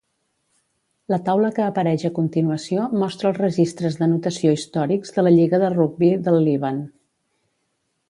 La taula que apareix a continuació mostra els registres d'anotació històrics de la lliga de rugbi del Líban.